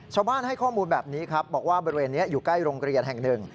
ชาวบ้านให้ข้อมูลแบบนี้ครับบอกว่าบริเวณนี้อยู่ใกล้โรงเรียนแห่งหนึ่ง